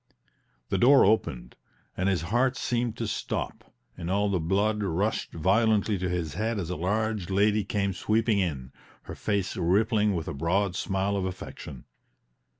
The door opened, and his heart seemed to stop, and all the blood rushed violently to his head as a large lady came sweeping in, her face rippling with a broad smile of affection.